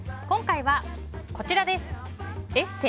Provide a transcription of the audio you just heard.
今回はこちらです。